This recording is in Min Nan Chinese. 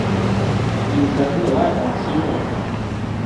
眠床就愛換新的矣